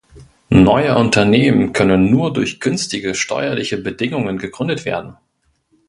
Neue Unternehmen können nur durch günstige steuerliche Bedingungen gegründet werden.